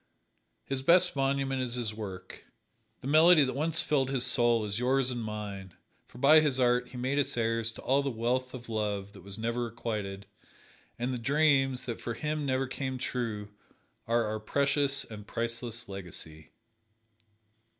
His best monument is his work. The melody that once filled his soul is yours and mine; for by his art he made us heirs to all that wealth of love that was never requited, and the dreams, that for him never came true, are our precious and priceless legacy.